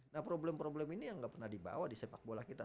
nah problem problem ini yang nggak pernah dibawa di sepak bola kita